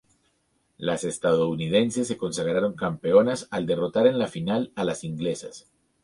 Las estadounidenses se consagraron campeonas al derrotar en la final a las inglesas.